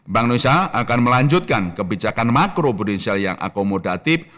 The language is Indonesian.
bank indonesia akan melanjutkan kebijakan makro prudensial yang akomodatif